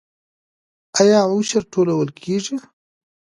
آیا عشر ټولول کیږي؟